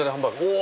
お！